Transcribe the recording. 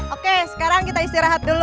oke sekarang kita istirahat dulu